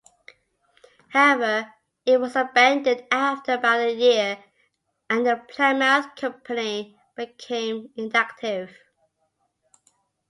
However, it was abandoned after about a year and the Plymouth Company became inactive.